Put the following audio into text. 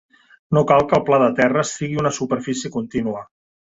No cal que el pla de terra sigui una superfície contínua.